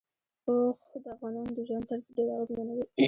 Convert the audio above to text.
اوښ د افغانانو د ژوند طرز ډېر اغېزمنوي.